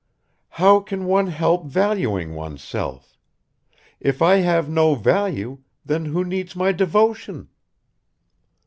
"How can one help valuing oneself? If I have no value, then who needs my devotion?"